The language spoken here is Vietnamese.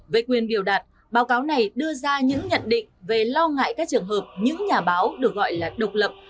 về quyền biểu đạt báo cáo này đưa ra những nhận định về lo ngại các trường hợp những nhà báo được gọi là độc lập